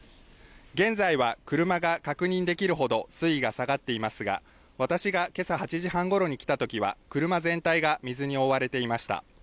現在は車が確認できるほど水位が下がっていますが私がけさ８時半ごろに来たときには車全体が水に覆われていました。